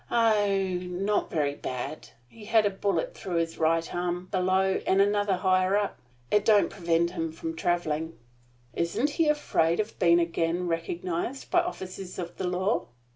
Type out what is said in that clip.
"Oh, not very bad. He had a bullet through his right arm, below, and another higher up. It don't prevent him from traveling." "Isn't he afraid of being again recognized by officers of the law?"